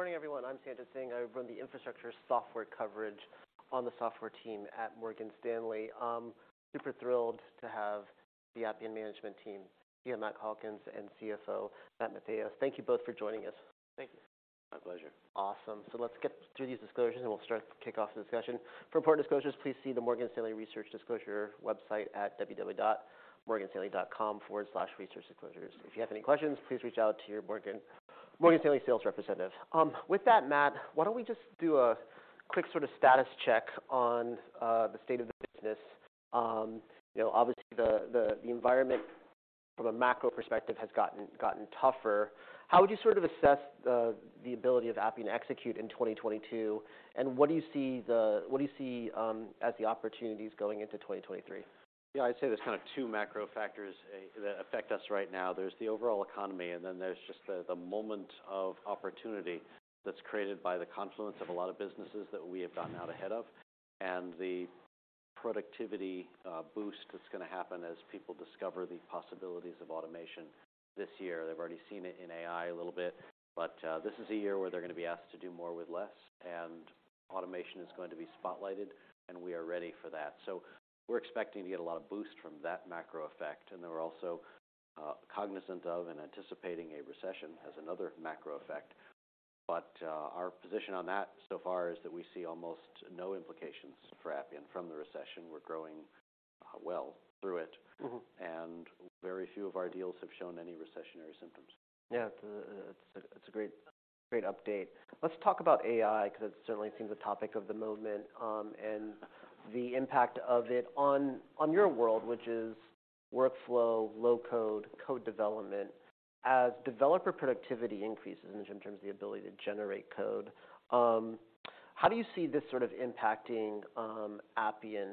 Good morning, everyone. I'm Sanjit Singh. I run the infrastructure software coverage on the software team at Morgan Stanley. Super thrilled to have the Appian management team, CEO Matt Calkins and CFO Mark Matheos. Thank you both for joining us. Thank you. My pleasure. Awesome. Let's get through these disclosures, and we'll start to kick off the discussion. For important disclosures, please see the Morgan Stanley Research Disclosure website at www.morganstanley.com/researchdisclosures. If you have any questions, please reach out to your Morgan Stanley sales representative. With that, Matt, why don't we just do a quick sort of status check on the state of the business. You know, obviously the environment from a macro perspective has gotten tougher. How would you sort of assess the ability of Appian to execute in 2022, and what do you see as the opportunities going into 2023? I'd say there's kind of two macro factors that affect us right now. There's the overall economy, and then there's just the moment of opportunity that's created by the confluence of a lot of businesses that we have gotten out ahead of, and the productivity boost that's gonna happen as people discover the possibilities of automation this year. They've already seen it in AI a little bit, but this is a year where they're gonna be asked to do more with less, and automation is going to be spotlighted, and we are ready for that. We're expecting to get a lot of boost from that macro effect, and then we're also cognizant of and anticipating a recession as another macro effect. Our position on that so far is that we see almost no implications for Appian from the recession. We're growing, well through it. Mm-hmm. Very few of our deals have shown any recessionary symptoms. Yeah. It's a great update. Let's talk about AI, 'cause it certainly seems a topic of the moment, and the impact of it on your world, which is workflow, low-code, code development. As developer productivity increases in terms of the ability to generate code, how do you see this sort of impacting Appian,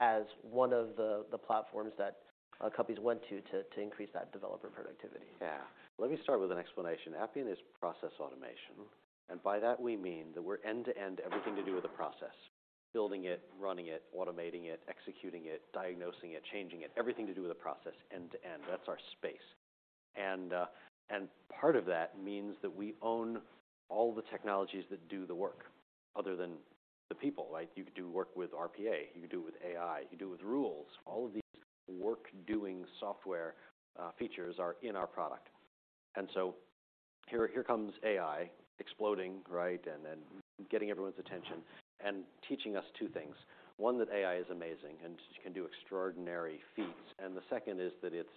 as one of the platforms that companies went to increase that developer productivity? Yeah. Let me start with an explanation. Appian is process automation. By that we mean that we're end to end everything to do with the process: building it, running it, automating it, executing it, diagnosing it, changing it, everything to do with the process end to end. That's our space. Part of that means that we own all the technologies that do the work, other than the people. Like, you could do work with RPA, you could do it with AI, you could do it with rules. All of these work-doing software features are in our product. Here comes AI exploding, right? Getting everyone's attention and teaching us two things. One, that AI is amazing and can do extraordinary feats. The second is that it's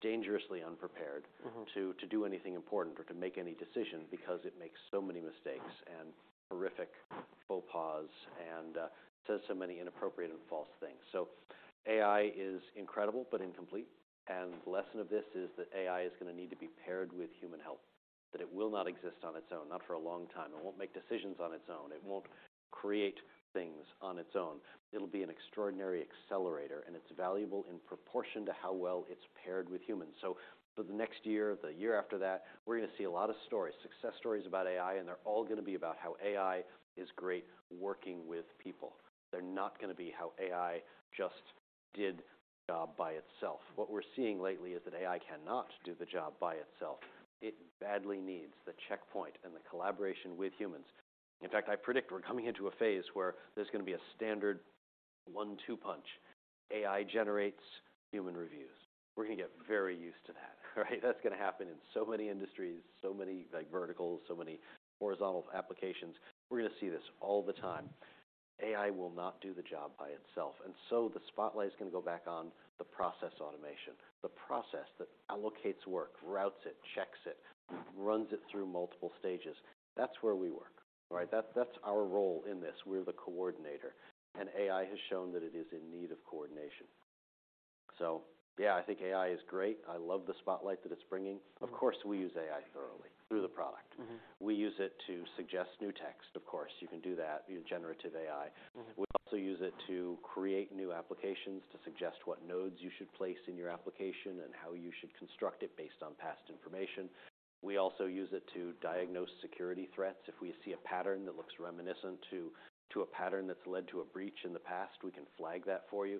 dangerously unprepared- Mm-hmm... to do anything important or to make any decision because it makes so many mistakes and horrific faux pas and says so many inappropriate and false things. AI is incredible but incomplete. The lesson of this is that AI is gonna need to be paired with human help, that it will not exist on its own, not for a long time. It won't make decisions on its own. It won't create things on its own. It'll be an extraordinary accelerator, and it's valuable in proportion to how well it's paired with humans. For the next year, the year after that, we're gonna see a lot of stories, success stories about AI, and they're all gonna be about how AI is great working with people. They're not gonna be how AI just did the job by itself. What we're seeing lately is that AI cannot do the job by itself. It badly needs the checkpoint and the collaboration with humans. In fact, I predict we're coming into a phase where there's gonna be a standard one-two punch. AI generates human reviews. We're gonna get very used to that, right? That's gonna happen in so many industries, so many, like, verticals, so many horizontal applications. We're gonna see this all the time. AI will not do the job by itself, and so the spotlight is gonna go back on the process automation, the process that allocates work, routes it, checks it, runs it through multiple stages. That's where we work, right? That's our role in this. We're the coordinator, and AI has shown that it is in need of coordination. Yeah, I think AI is great. I love the spotlight that it's bringing. Mm-hmm. Of course, we use AI thoroughly through the product. Mm-hmm. We use it to suggest new text, of course. You can do that via generative AI. Mm-hmm. We also use it to create new applications, to suggest what nodes you should place in your application, and how you should construct it based on past information. We also use it to diagnose security threats. If we see a pattern that looks reminiscent to a pattern that's led to a breach in the past, we can flag that for you.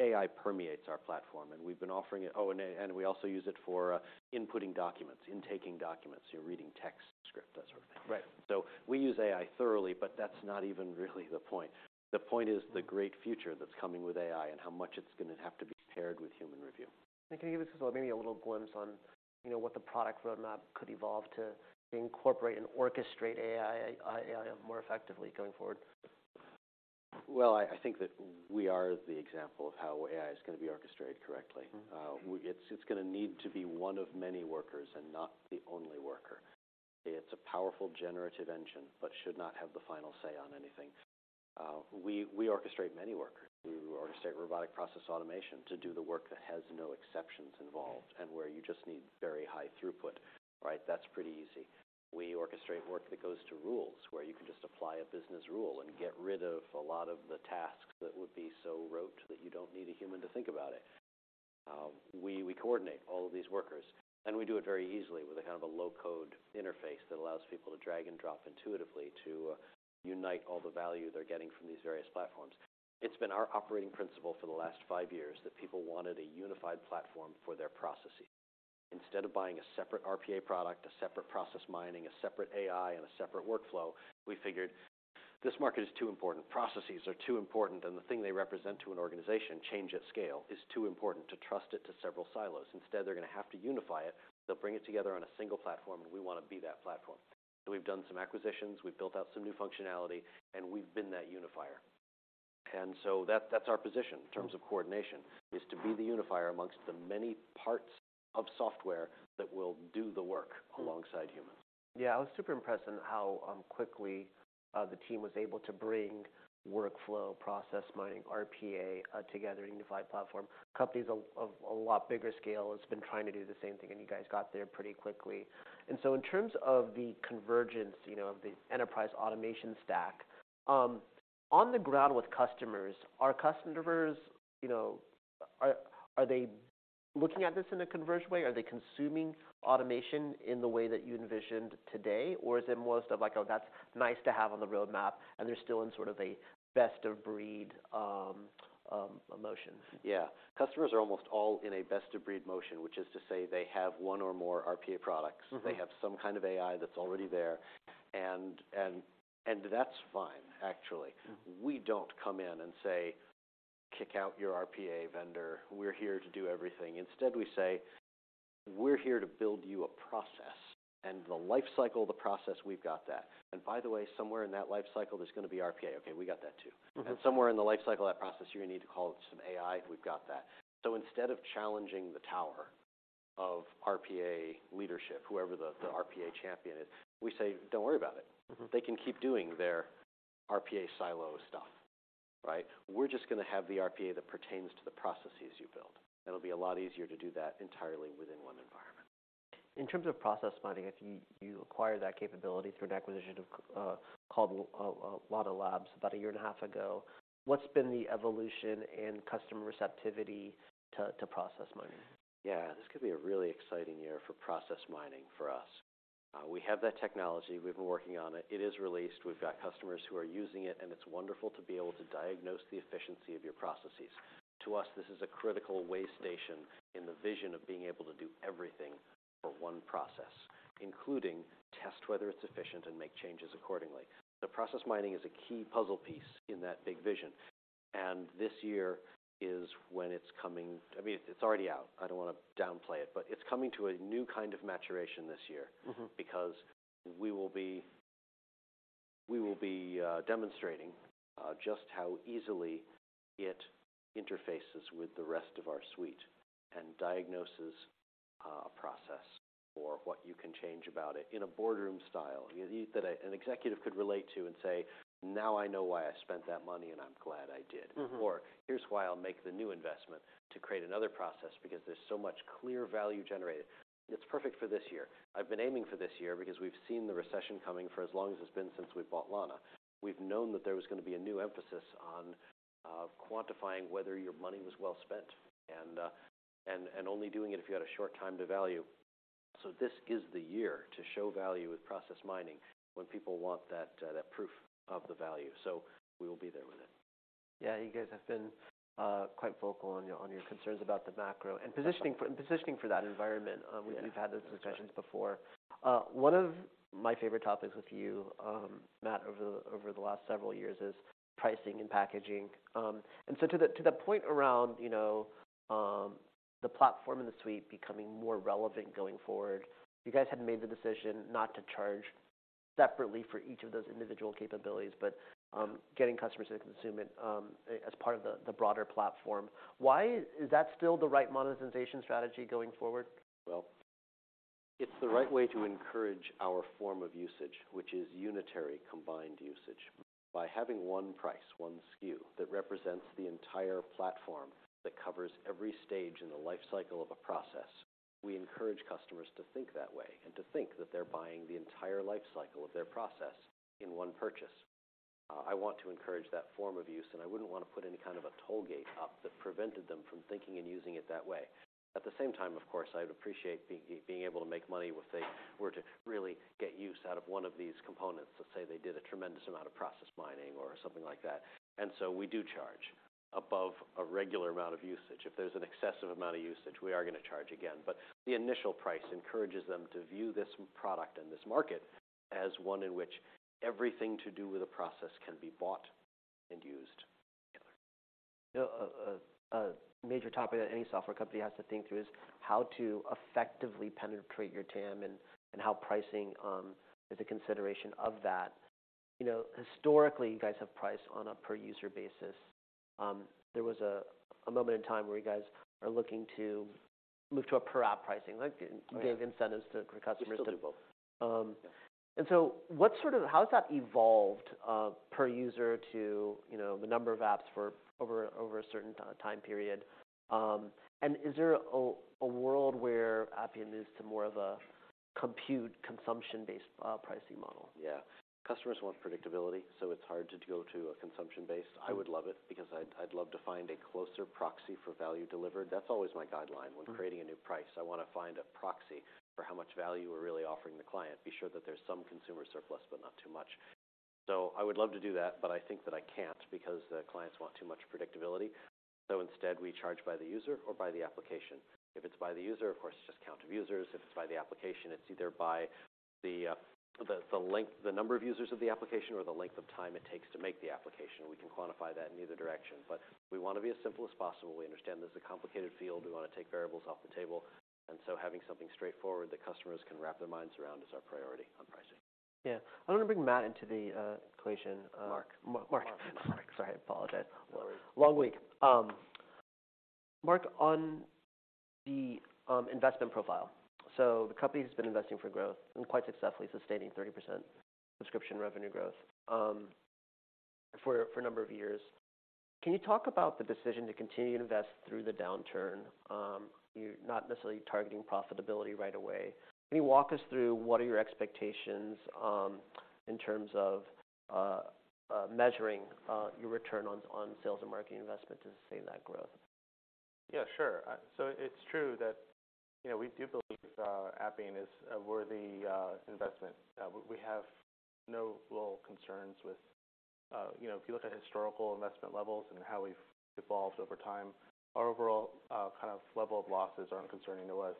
AI permeates our platform, and we've been offering it. Oh, we also use it for inputting documents, intaking documents. You're reading text script, that sort of thing. Right. We use AI thoroughly, but that's not even really the point. The point is the great future that's coming with AI and how much it's gonna have to be paired with human review. Can you give us maybe a little glimpse on, you know, what the product roadmap could evolve to incorporate and orchestrate AI more effectively going forward? Well, I think that we are the example of how AI is gonna be orchestrated correctly. Mm-hmm. It's gonna need to be one of many workers and not the only worker. It's a powerful generative engine should not have the final say on anything. We orchestrate many workers. We orchestrate robotic process automation to do the work that has no exceptions involved and where you just need very high throughput, right? That's pretty easy. We orchestrate work that goes to rules, where you can just apply a business rule and get rid of a lot of the tasks that would be so rote that you don't need a human to think about it. We coordinate all of these workers, we do it very easily with a kind of a low-code interface that allows people to drag and drop intuitively to unite all the value they're getting from these various platforms. It's been our operating principle for the last five years that people wanted a unified platform for their processes. Instead of buying a separate RPA product, a separate process mining, a separate AI, and a separate workflow, we figured this market is too important, processes are too important, and the thing they represent to an organization, change at scale, is too important to trust it to several silos. They're gonna have to unify it. They'll bring it together on a single platform, we wanna be that platform. We've done some acquisitions, we've built out some new functionality, we've been that unifier. That's our position in terms of coordination, is to be the unifier amongst the many parts of software that will do the work alongside humans. Yeah. I was super impressed on how quickly the team was able to bring workflow, process mining, RPA, together in a unified platform. Companies of a lot bigger scale has been trying to do the same thing. You guys got there pretty quickly. In terms of the convergence, you know, of the enterprise automation stack, on the ground with customers, are customers, you know, are they looking at this in a converged way? Are they consuming automation in the way that you envisioned today? Or is it more stuff like, "Oh, that's nice to have on the roadmap," and they're still in sort of a best of breed, motion? Yeah. Customers are almost all in a best of breed motion, which is to say they have one or more RPA products. Mm-hmm. They have some kind of AI that's already there, and that's fine actually. Mm. We don't come in and say, "Kick out your RPA vendor. We're here to do everything." Instead we say, "We're here to build you a process, and the life cycle of the process, we've got that. By the way, somewhere in that life cycle, there's gonna be RPA. Okay, we got that too. Mm-hmm. Somewhere in the life cycle of that process, you're gonna need to call some AI, and we've got that." Instead of challenging the tower of RPA leadership, whoever the RPA champion is, we say, "Don't worry about it. Mm-hmm. They can keep doing their RPA silo stuff, right? We're just gonna have the RPA that pertains to the processes you build. It'll be a lot easier to do that entirely within one environment. In terms of process mining, if you acquire that capability through an acquisition of called Lana Labs about a year and a half ago, what's been the evolution and customer receptivity to process mining? Yeah. This could be a really exciting year for process mining for us. We have that technology. We've been working on it. It is released. We've got customers who are using it, and it's wonderful to be able to diagnose the efficiency of your processes. To us, this is a critical way station in the vision of being able to do everything for one process, including test whether it's efficient and make changes accordingly. Process mining is a key puzzle piece in that big vision, and this year is when it's coming, I mean, it's already out. I don't wanna downplay it, but it's coming to a new kind of maturation this year. Mm-hmm... because we will be demonstrating just how easily it interfaces with the rest of our suite and diagnoses a process for what you can change about it in a boardroom style that an executive could relate to and say, "Now I know why I spent that money, and I'm glad I did. Mm-hmm. Here's why I'll make the new investment to create another process, because there's so much clear value generated." It's perfect for this year. I've been aiming for this year because we've seen the recession coming for as long as it's been since we've bought Lana. We've known that there was gonna be a new emphasis on quantifying whether your money was well spent and only doing it if you had a short time to value. This is the year to show value with process mining when people want that proof of the value. We will be there with it. Yeah. You guys have been quite vocal on your concerns about the macro and positioning for that environment. Yeah... we've had those discussions before. One of my favorite topics with you, Matt, over the last several years is pricing and packaging. To the point around, you know, the platform and the suite becoming more relevant going forward, you guys had made the decision not to charge separately for each of those individual capabilities, but getting customers to consume it as part of the broader platform. Is that still the right monetization strategy going forward? It's the right way to encourage our form of usage, which is unitary combined usage. By having one price, one SKU, that represents the entire platform, that covers every stage in the life cycle of a process, we encourage customers to think that way and to think that they're buying the entire life cycle of their process in one purchase. I want to encourage that form of use, and I wouldn't wanna put any kind of a toll gate up that prevented them from thinking and using it that way. At the same time, of course, I'd appreciate being able to make money if they were to really get use out of one of these components. Let's say they did a tremendous amount of process mining or something like that. We do charge above a regular amount of usage. If there's an excessive amount of usage, we are gonna charge again. The initial price encourages them to view this product and this market as one in which everything to do with the process can be bought and used together. You know, a major topic that any software company has to think through is how to effectively penetrate your TAM and how pricing is a consideration of that. You know, historically, you guys have priced on a per user basis. There was a moment in time where you guys are looking to move to a per app pricing. Right... gave incentives to, for customers to- We still do both. Um- Yeah How has that evolved per user to, you know, the number of apps for over a certain time period? Is there a world where Appian moves to more of a compute consumption-based pricing model? Yeah. Customers want predictability, so it's hard to go to a consumption base. Mm. I would love it because I'd love to find a closer proxy for value delivered. That's always my guideline. Mm. When creating a new price, I wanna find a proxy for how much value we're really offering the client. Be sure that there's some consumer surplus, but not too much. I would love to do that, but I think that I can't because the clients want too much predictability. Instead, we charge by the user or by the application. If it's by the user, of course, it's just count of users. If it's by the application, it's either by the number of users of the application or the length of time it takes to make the application. We can quantify that in either direction. We wanna be as simple as possible. We understand this is a complicated field. We wanna take variables off the table. Having something straightforward that customers can wrap their minds around is our priority on pricing. Yeah. I wanna bring Matt into the equation. Mark. M-Mark. Mark. Mark. Sorry, I apologize. It's all right. Long week. Mark, on the investment profile, so the company has been investing for growth, and quite successfully, sustaining 30% subscription revenue growth for a number of years. Can you talk about the decision to continue to invest through the downturn? You're not necessarily targeting profitability right away. Can you walk us through what are your expectations in terms of measuring your return on sales and marketing investment to sustain that growth? Yeah, sure. It's true that, you know, we do believe Appian is a worthy investment. We have no real concerns with, you know, if you look at historical investment levels and how we've evolved over time, our overall kind of level of losses aren't concerning to us.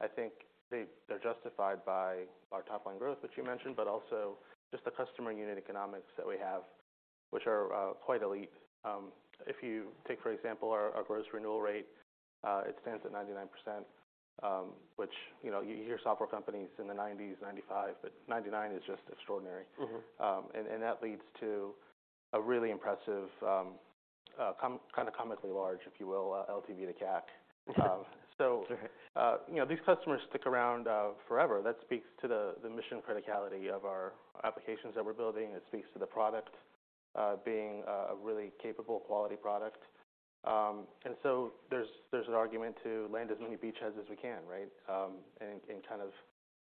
I think they're justified by our top line growth, which you mentioned, but also just the customer unit economics that we have, which are quite elite. If you take, for example, our gross renewal rate, it stands at 99%, which, you know, you hear software companies in the 90s, 95, but 99 is just extraordinary. Mm-hmm. That leads to a really impressive, comically large, if you will, LTV:CAC. Sure. You know, these customers stick around forever. That speaks to the mission criticality of our applications that we're building. It speaks to the product being a really capable, quality product. There's an argument to land as many beachheads as we can, right? Kind of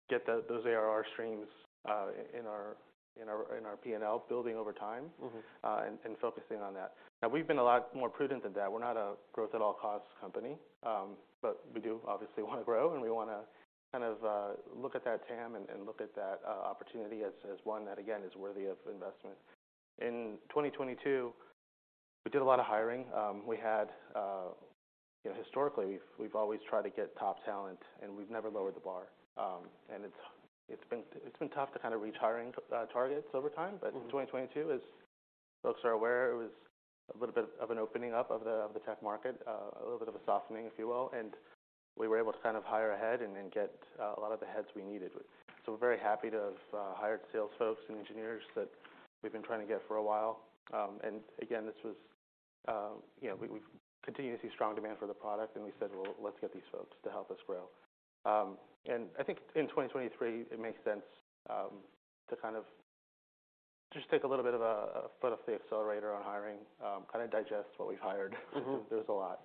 get those ARR streams in our P&L building over time- Mm-hmm... and focusing on that. We've been a lot more prudent than that. We're not a growth at all costs company. We do obviously wanna grow, and we wanna kind of look at that TAM and look at that opportunity as one that, again, is worthy of investment. In 2022, we did a lot of hiring. We had, you know, historically we've always tried to get top talent, and we've never lowered the bar. It's been tough to kind of retiring targets over time. Mm-hmm. In 2022, as folks are aware, it was a little bit of an opening up of the, of the tech market, a little bit of a softening, if you will, and we were able to kind of hire ahead and then get a lot of the heads we needed. We're very happy to have hired sales folks and engineers that we've been trying to get for a while. Again, this was... you know, we continue to see strong demand for the product, and we said, "Well, let's get these folks to help us grow." I think in 2023, it makes sense to kind of just take a little bit of a foot off the accelerator on hiring, kind of digest what we've hired. Mm-hmm. There's a lot.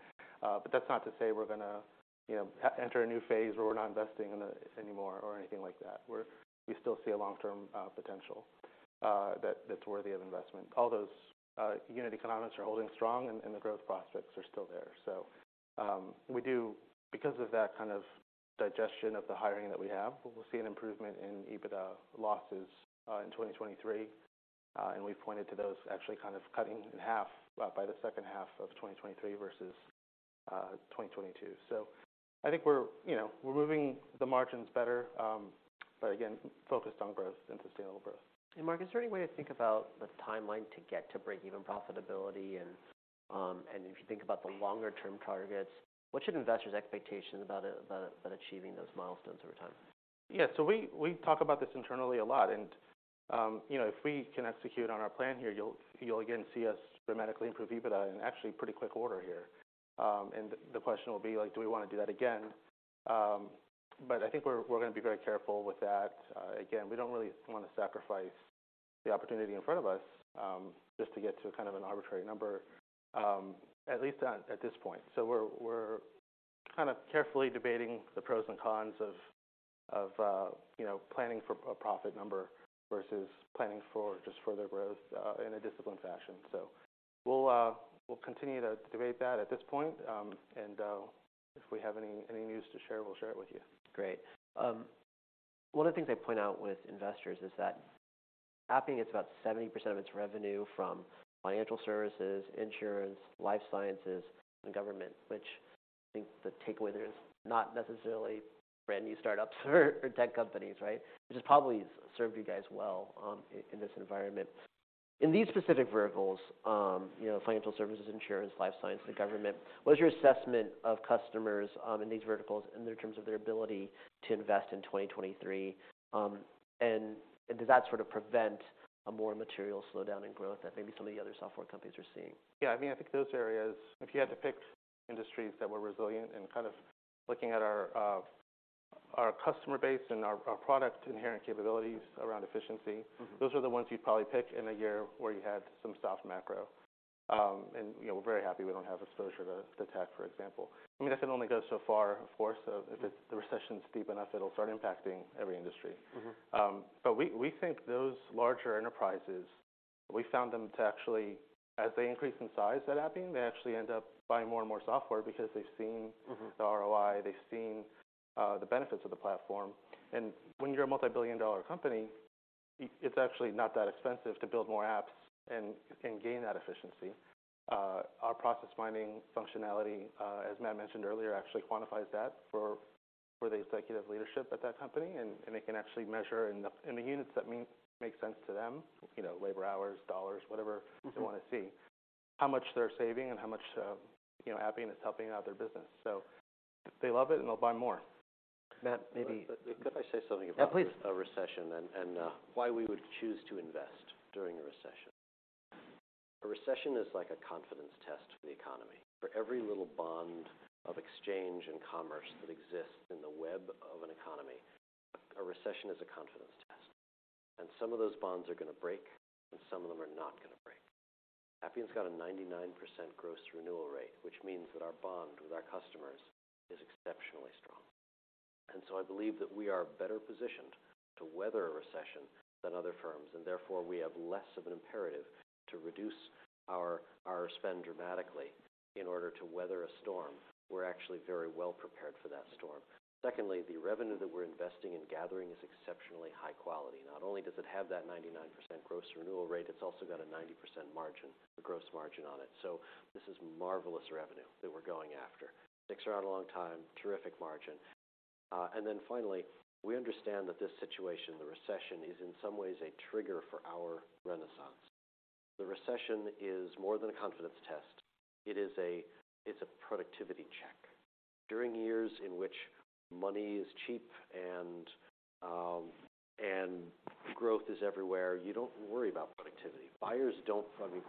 That's not to say we're gonna, you know, enter a new phase where we're not investing in the... anymore or anything like that. We still see a long-term potential that's worthy of investment. All those unit economics are holding strong, and the growth prospects are still there. We do, because of that kind of digestion of the hiring that we have, we'll see an improvement in EBITDA losses in 2023. We pointed to those actually kind of cutting in half by the second half of 2023 versus 2022. I think we're, you know, we're moving the margins better, but again, focused on growth and sustainable growth. Mark, is there any way to think about the timeline to get to break-even profitability and if you think about the longer term targets, what should investors' expectations about achieving those milestones over time? Yeah. We talk about this internally a lot and, you know, if we can execute on our plan here, you'll again see us dramatically improve EBITDA in actually pretty quick order here. The question will be like, do we wanna do that again? I think we're gonna be very careful with that. Again, we don't really wanna sacrifice the opportunity in front of us, just to get to kind of an arbitrary number, at least at this point. We're kind of carefully debating the pros and cons of, you know, planning for a profit number versus planning for just further growth in a disciplined fashion. We'll continue to debate that at this point. If we have any news to share, we'll share it with you. Great. One of the things I point out with investors is that Appian gets about 70% of its revenue from financial services, insurance, life sciences, and government, which I think the takeaway there is not necessarily brand new startups or tech companies, right? Which has probably served you guys well in this environment. In these specific verticals, you know, financial services, insurance, life science, and government, what is your assessment of customers in these verticals in their terms of their ability to invest in 2023? Does that sort of prevent a more material slowdown in growth that maybe some of the other software companies are seeing? Yeah, I mean, I think those areas, if you had to pick industries that were resilient and kind of looking at our customer base and our product inherent capabilities around efficiency... Mm-hmm... those are the ones you'd probably pick in a year where you had some soft macro. You know, we're very happy we don't have exposure to tech, for example. I mean, this can only go so far, of course. If the recession's deep enough, it'll start impacting every industry. Mm-hmm. We think those larger enterprises. We found them to actually, as they increase in size at Appian, they actually end up buying more and more software because they've seen- Mm-hmm... the ROI, they've seen the benefits of the platform. When you're a multi-billion dollar company, it's actually not that expensive to build more apps and gain that efficiency. Our process mining functionality, as Matt mentioned earlier, actually quantifies that for the executive leadership at that company, and they can actually measure in the units that make sense to them, you know, labor hours, dollars, whatever. Mm-hmm... they wanna see, how much they're saving and how much, you know, Appian is helping out their business. They love it, and they'll buy more. Matt. Could I say something? Yeah, please. A recession and why we would choose to invest during a recession. A recession is like a confidence test for the economy. For every little bond of exchange and commerce that exists in the web of an economy, a recession is a confidence test, and some of those bonds are gonna break, and some of them are not gonna break. Appian's got a 99% gross renewal rate, which means that our bond with our customers is exceptionally strong. I believe that we are better positioned to weather a recession than other firms, and therefore, we have less of an imperative to reduce our spend dramatically in order to weather a storm. We're actually very well prepared for that storm. Secondly, the revenue that we're investing in gathering is exceptionally high quality. Not only does it have that 99% gross renewal rate, it's also got a 90% margin, gross margin on it. This is marvelous revenue that we're going after. Sticks around a long time, terrific margin. Finally, we understand that this situation, the recession, is in some ways a trigger for our renaissance. The recession is more than a confidence test. It's a productivity check. During years in which money is cheap and growth is everywhere, you don't worry about productivity. I mean,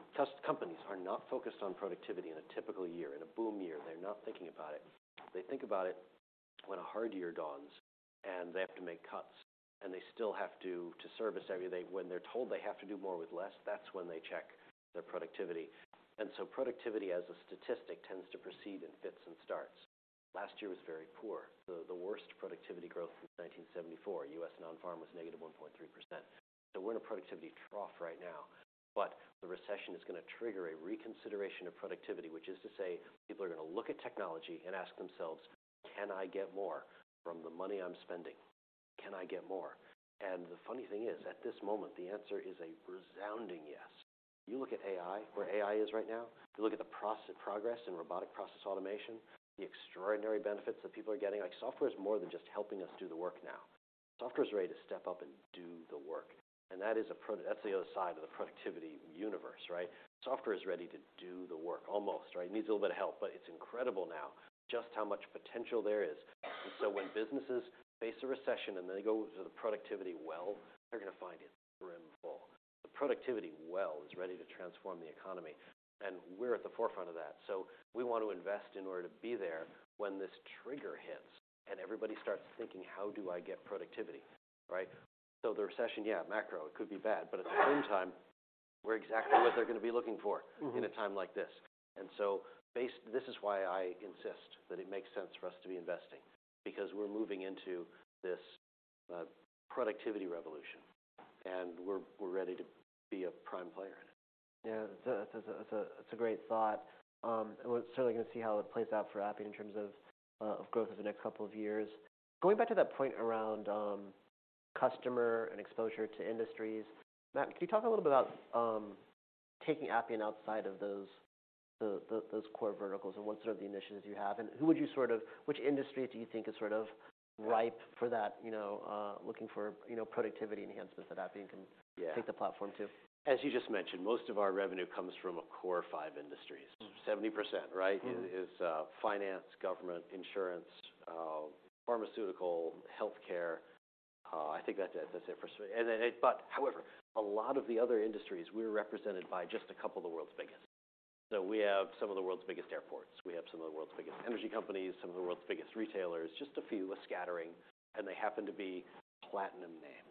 companies are not focused on productivity in a typical year. In a boom year, they're not thinking about it. They think about it when a hard year dawns, and they have to make cuts, and they still have to service every. When they're told they have to do more with less, that's when they check their productivity. Productivity as a statistic tends to proceed in fits and starts. Last year was very poor, the worst productivity growth since 1974. U.S. nonfarm was -1.3%. We're in a productivity trough right now. The recession is gonna trigger a reconsideration of productivity, which is to say people are gonna look at technology and ask themselves, "Can I get more from the money I'm spending? Can I get more?" The funny thing is, at this moment, the answer is a resounding yes. You look at AI, where AI is right now, you look at the progress in robotic process automation, the extraordinary benefits that people are getting, like software is more than just helping us do the work now. Software is ready to step up and do the work, and that's the other side of the productivity universe, right? Software is ready to do the work almost, right? It needs a little bit of help, but it's incredible now just how much potential there is. When businesses face a recession, and then they go to the productivity well, they're gonna find it brim full. The productivity well is ready to transform the economy, and we're at the forefront of that. We want to invest in order to be there when this trigger hits, and everybody starts thinking, "How do I get productivity?" Right? The recession, yeah, macro, it could be bad, but at the same time, we're exactly what they're gonna be looking for. Mm-hmm in a time like this. This is why I insist that it makes sense for us to be investing because we're moving into this productivity revolution, and we're ready to be a prime player in it. Yeah. That's a great thought. We're certainly gonna see how it plays out for Appian in terms of growth over the next couple of years. Going back to that point around customer and exposure to industries, Matt, can you talk a little bit about taking Appian outside of those core verticals and what sort of the initiatives you have? Which industry do you think is sort of ripe for that, you know, looking for, you know, productivity enhancements that Appian can- Yeah... take the platform to? As you just mentioned, most of our revenue comes from a core five industries. Mm-hmm. 70%, right. Mm-hmm is finance, government, insurance, pharmaceutical, healthcare. I think that's it. That's it for. However, a lot of the other industries, we're represented by just a couple of the world's biggest. We have some of the world's biggest airports. We have some of the world's biggest energy companies, some of the world's biggest retailers, just a few, a scattering, and they happen to be platinum names.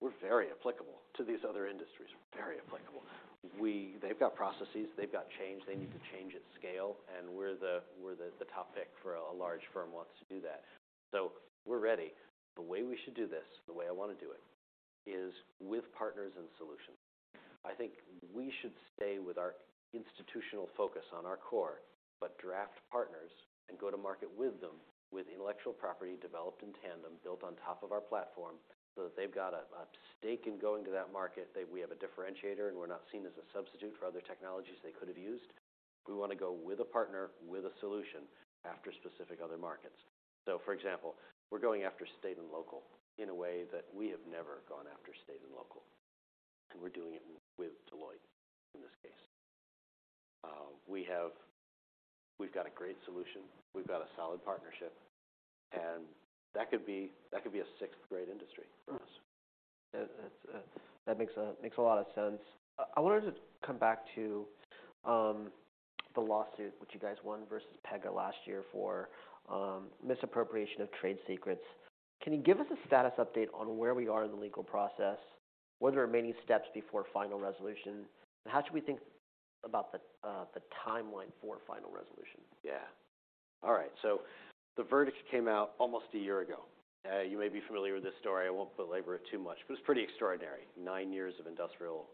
We're very applicable to these other industries. We're very applicable. They've got processes. They've got change. They need to change at scale, and we're the top pick for a large firm who wants to do that. We're ready. The way we should do this, the way I wanna do it, is with partners and solutions. I think we should stay with our institutional focus on our core, but draft partners and go to market with them, with intellectual property developed in tandem, built on top of our platform, so that they've got a stake in going to that market. We have a differentiator, and we're not seen as a substitute for other technologies they could have used. We wanna go with a partner, with a solution, after specific other markets. For example, we're going after state and local in a way that we have never gone after state and local, and we're doing it with Deloitte in this case. We've got a great solution. We've got a solid partnership, and that could be a sixth great industry for us. Yeah. That makes a lot of sense. I wanted to come back to the lawsuit which you guys won versus Pega last year for misappropriation of trade secrets. Can you give us a status update on where we are in the legal process? What are the remaining steps before final resolution? How should we think about the timeline for final resolution? All right, the verdict came out almost a year ago. You may be familiar with this story. I won't belabor it too much, but it's pretty extraordinary. Nine years of industrial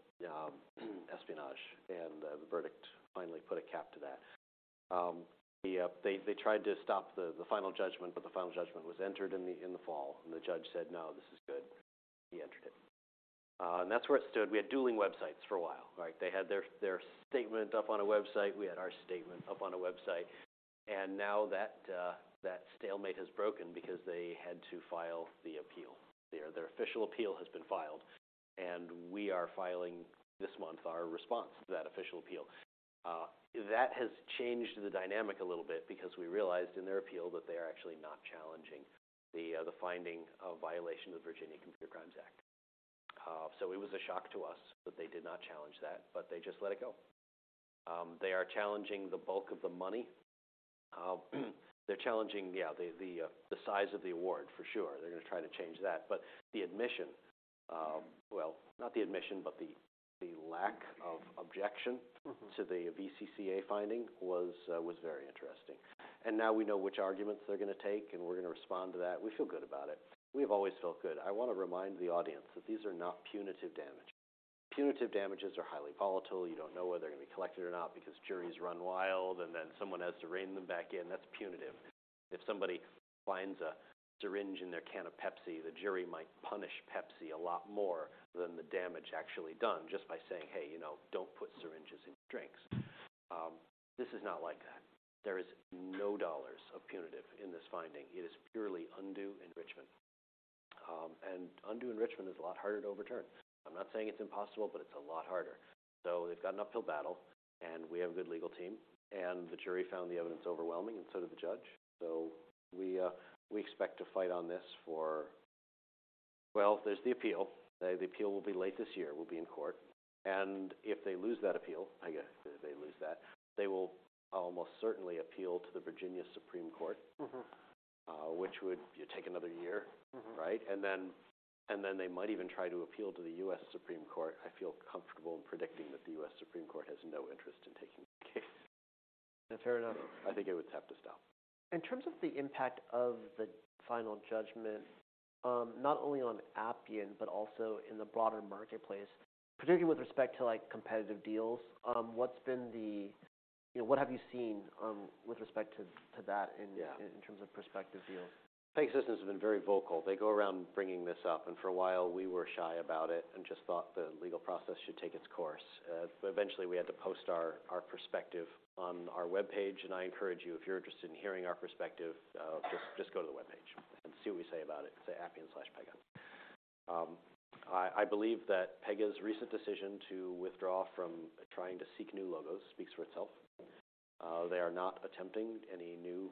espionage, and the verdict finally put a cap to that. The they tried to stop the final judgment, but the final judgment was entered in the fall, and the judge said, "No, this is good." He entered it. That's where it stood. We had dueling websites for a while, right? They had their statement up on a website, we had our statement up on a website. Now that that stalemate has broken because they had to file the appeal. Their official appeal has been filed, and we are filing this month our response to that official appeal. That has changed the dynamic a little bit because we realized in their appeal that they are actually not challenging the finding of violation of the Virginia Computer Crimes Act. It was a shock to us that they did not challenge that, but they just let it go. They are challenging the bulk of the money. They're challenging the size of the award for sure. They're gonna try to change that. Well, not the admission, but the lack of objection to the VCCA finding was very interesting. Now we know which arguments they're gonna take, and we're gonna respond to that. We feel good about it. We've always felt good. I wanna remind the audience that these are not punitive damages. Punitive damages are highly volatile. You don't know whether they're gonna be collected or not because juries run wild, and then someone has to rein them back in. That's punitive. If somebody finds a syringe in their can of Pepsi, the jury might punish Pepsi a lot more than the damage actually done just by saying, "Hey, you know, don't put syringes in your drinks." This is not like that. There is no dollars of punitive in this finding. It is purely unjust enrichment. Unjust enrichment is a lot harder to overturn. I'm not saying it's impossible, but it's a lot harder. They've got an uphill battle, and we have a good legal team, and the jury found the evidence overwhelming and so did the judge. We expect to fight on this for. Well, there's the appeal. The appeal will be late this year. We'll be in court. If they lose that appeal, I guess if they lose that, they will almost certainly appeal to the Supreme Court of Virginia. Mm-hmm. Which would take another year. Mm-hmm. Right? They might even try to appeal to the U.S. Supreme Court. I feel comfortable in predicting that the U.S. Supreme Court has no interest in taking the case. Fair enough. I think it would have to stop. In terms of the impact of the final judgment, not only on Appian, but also in the broader marketplace, particularly with respect to, like, competitive deals, You know, what have you seen with respect to that? Yeah. In terms of prospective deals? Pegasystems have been very vocal. They go around bringing this up, and for a while we were shy about it and just thought the legal process should take its course. Eventually we had to post our perspective on our webpage, and I encourage you, if you're interested in hearing our perspective, just go to the webpage and see what we say about it. It's appian.com/pega. I believe that Pegasystems' recent decision to withdraw from trying to seek new logos speaks for itself. They are not attempting any new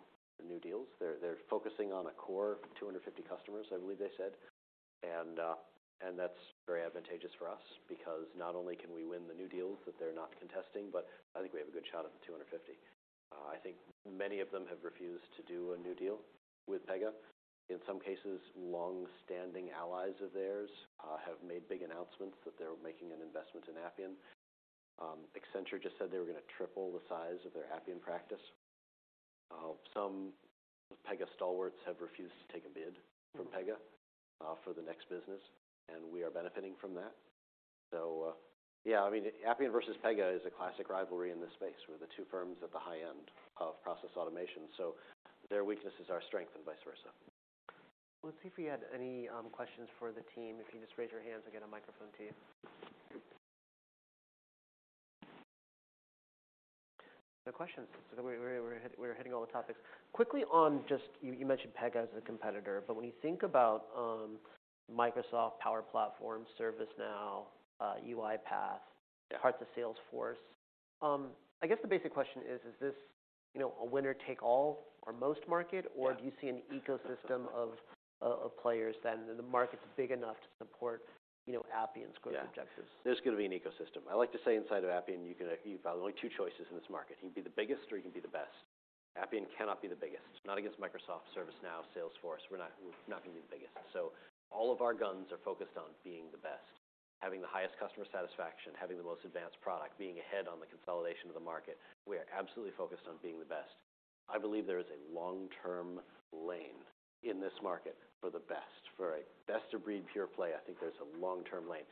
deals. They're focusing on a core 250 customers, I believe they said. That's very advantageous for us because not only can we win the new deals that they're not contesting, but I think we have a good shot at the 250. I think many of them have refused to do a new deal with Pega. In some cases, longstanding allies of theirs have made big announcements that they're making an investment in Appian. Accenture just said they were gonna triple the size of their Appian practice. Some Pega stalwarts have refused to take a bid from Pega for the next business, and we are benefiting from that. yeah, I mean, Appian versus Pega is a classic rivalry in this space. We're the two firms at the high end of process automation, so their weaknesses are our strength and vice versa. Let's see if we had any questions for the team. If you can just raise your hands, I'll get a microphone to you. No questions. We're hitting all the topics. You mentioned Pega as a competitor, when you think about Microsoft Power Platform, ServiceNow, UiPath, parts of Salesforce, I guess the basic question is this, you know, a winner-take-all or most market- Yeah. Do you see an ecosystem of players then? The market's big enough to support, you know, Appian's growth objectives. Yeah. There's gonna be an ecosystem. I like to say inside of Appian, you've got only two choices in this market: You can be the biggest or you can be the best. Appian cannot be the biggest, not against Microsoft, ServiceNow, Salesforce. We're not gonna be the biggest. All of our guns are focused on being the best, having the highest customer satisfaction, having the most advanced product, being ahead on the consolidation of the market. We are absolutely focused on being the best. I believe there is a long-term lane in this market for the best, for a best-of-breed pure play. I think there's a long-term lane.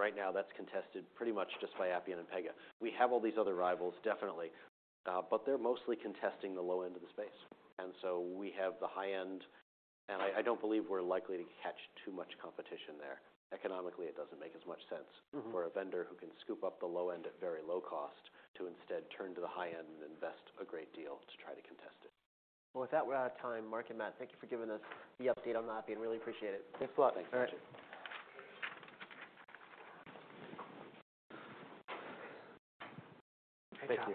Right now that's contested pretty much just by Appian and Pega. We have all these other rivals, definitely, but they're mostly contesting the low end of the space. We have the high end, and I don't believe we're likely to catch too much competition there. Economically, it doesn't make as much sense. Mm-hmm. -for a vendor who can scoop up the low end at very low cost to instead turn to the high end and invest a great deal to try to contest it. With that, we're out of time. Mark and Matt, thank you for giving us the update on Appian. Really appreciate it. Thanks a lot. Thanks. All right. Thank you.